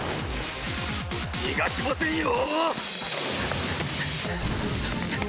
逃がしませんよ！